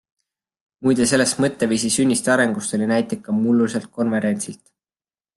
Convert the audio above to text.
Muide selle mõtteviisi sünnist ja arengust oli näiteid ka mulluselt konverentsilt.